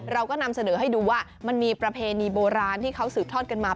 เราก็นำเสนอให้ดูว่ามันมีประเพณีโบราณที่เขาสืบทอดกันมา